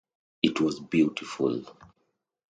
It was beautiful.